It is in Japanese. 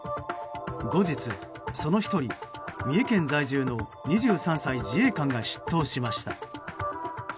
後日、その１人、三重県在住の２３歳、自衛官が出頭しました。